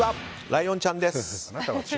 ライオンちゃんです。